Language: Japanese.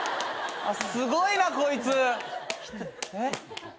すごいなこいつ。